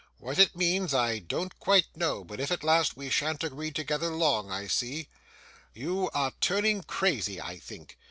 'What it means I don't quite know; but, if it lasts, we shan't agree together long I see. You are turning crazy, I think.